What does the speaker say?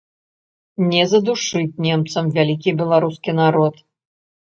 Не задушыць немцам вялікі беларускі народ!